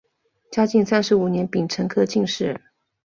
嘉靖三十五年丙辰科进士。